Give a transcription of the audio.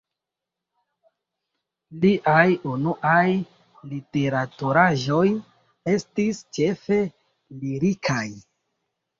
Liaj unuaj literaturaĵoj estis ĉefe lirikaj.